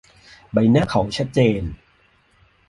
ใบหน้าเขาชัดเจน